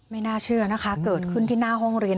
ไม่น่าเชื่อนะคะเกิดขึ้นที่หน้าห้องเรียน